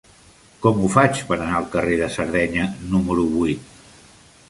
Com ho faig per anar al carrer de Sardenya número vuit?